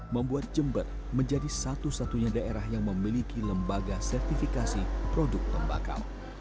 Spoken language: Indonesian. membuat jember menjadi satu satunya daerah yang memiliki lembaga sertifikasi produk tembakau